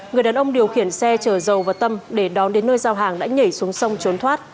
người đàn ông điều khiển xe chở dầu và tâm để đón đến nơi giao hàng đã nhảy xuống sông trốn thoát